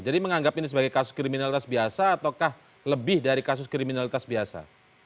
jadi menganggap ini sebagai kasus kriminalitas biasa ataukah lebih dari kasus kriminalitas biasa